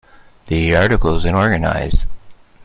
The articles in Organise!